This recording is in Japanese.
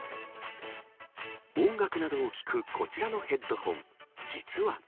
音楽などを聴くこちらのヘッドホン、実は。